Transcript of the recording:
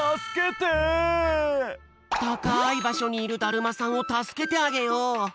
たかいばしょにいるだるまさんをたすけてあげよう！